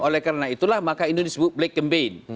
oleh karena itulah maka ini disebut black campaign